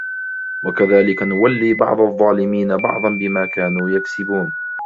وَكَذَلِكَ نُوَلِّي بَعْضَ الظَّالِمِينَ بَعْضًا بِمَا كَانُوا يَكْسِبُونَ